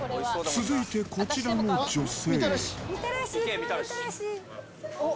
続いてこちらの女性。